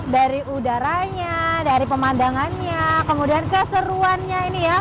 dari udaranya dari pemandangannya kemudian keseruannya ini ya